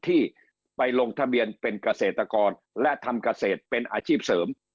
ที่ไปลงทะเบียนเป็นเกษตรกรและทำเกษตรเป็นอาชีพเสริม